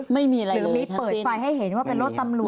ไม่มีอะไรเลยคัทซินหรือมีเปิดไฟล์ให้เห็นว่าเป็นรถตำรวจ